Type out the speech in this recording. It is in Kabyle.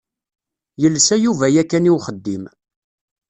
Yelsa Yuba yakan i uxeddim.